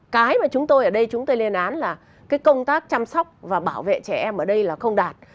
cái mà chúng tôi ở đây chúng tôi lên án là cái công tác chăm sóc và bảo vệ trẻ em ở đây là không đạt